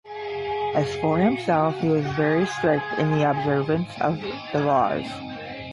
As for himself, he was very strict in the observance of the laws.